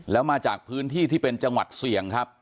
แล้วมาจากพื้นที่ที่เป็นจังหวัดเสี่ยงครับ